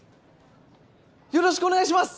よろしくお願いします！